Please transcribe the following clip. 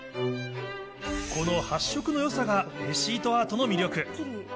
この発色のよさが、レシートアートの魅力。